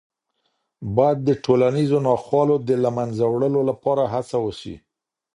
باید د ټولنیزو ناخوالو د له منځه وړلو لپاره هڅه وسي.